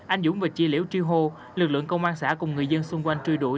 anh dũng và chi liễu tri hô lực lượng công an xã cùng người dân xung quanh truy đuổi